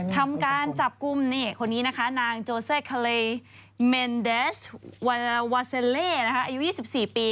ทำการจับกลุ่มนี่คนนี้นะคะนางโจเซคาเลเมนแดชวาราวาเซเล่อายุ๒๔ปี